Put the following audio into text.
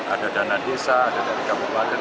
ada dana desa ada dari kabupaten